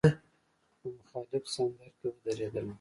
په مخالف سنګر کې ودرېدلم.